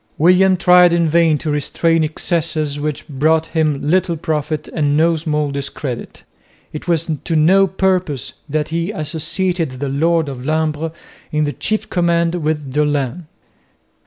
William tried in vain to restrain excesses which brought him little profit and no small discredit. It was to no purpose that he associated the lord of Lumbres in the chief command with Dolhain.